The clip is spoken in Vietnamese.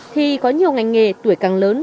thì có nhiều ngành nghề tuổi càng lớn